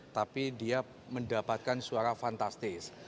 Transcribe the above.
tapi dia mendapatkan suara fantastis